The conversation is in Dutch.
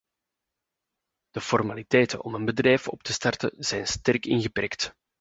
De formaliteiten om een bedrijf op te starten zijn sterk ingeperkt.